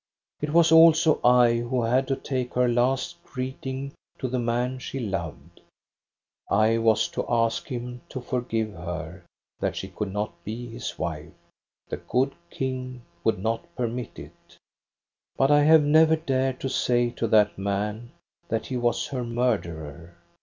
It was also I who had to take her last greeting to the man she loved. I was to ask him to forgive her, that she could not be his wife. The good King would not permit it. " But I have never dared to say to that man that he was her murderer.